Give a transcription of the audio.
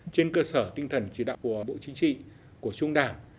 trên cơ sở tinh thần chỉ đạo của bộ chính trị của trung đảng